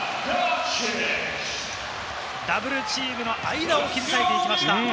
ダブルチームの間を切り裂いていきました。